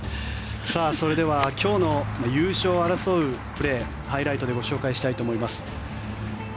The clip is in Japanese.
それでは今日の優勝を争うプレーハイライトでご紹介したいと思います。